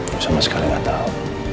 gue sama sekali gak tau